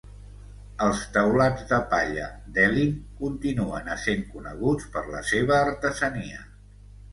Els teulats de palla d'Elim continuen essent coneguts per la seva artesania.